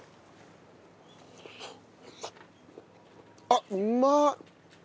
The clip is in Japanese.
あっうまっ！